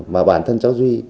mà bản thân cháu duy